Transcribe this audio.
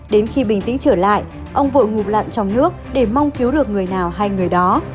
đến khi bình tĩnh trở lại ông vội ngủ lặn trong nước để mong cứu được người nào hay người đó